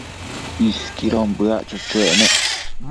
Isquidën bëac cho-choec nec